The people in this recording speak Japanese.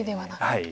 はい。